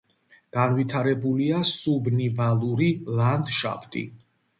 განვითარებულია სუბნივალური ლანდშაფტი.